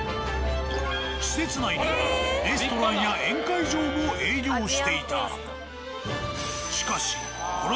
施設内にレストランや宴会場も営業していた。